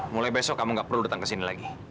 mulai besok kamu gak perlu datang ke sini lagi